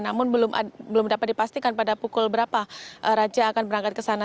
namun belum dapat dipastikan pada pukul berapa raja akan berangkat ke sana